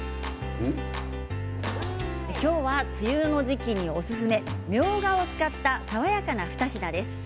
今日は、梅雨の時期におすすめみょうがを使った爽やかな２品です。